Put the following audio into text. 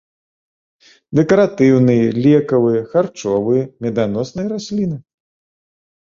Дэкаратыўныя, лекавыя, харчовыя, меданосныя расліны.